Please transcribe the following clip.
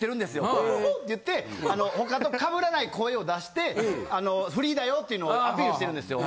「ホッホッホッ」って言って他と被らない声を出してフリーだよっていうのをアピールしてるんですよ。